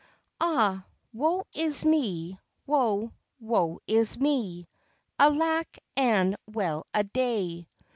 Ah! woe is me, woe, woe is me, Alack and well a day!